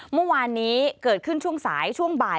เมื่อวานนี้เกิดขึ้นช่วงสายช่วงบ่าย